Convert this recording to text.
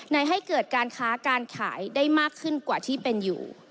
ให้เกิดการค้าการขายได้มากขึ้นกว่าที่เป็นอยู่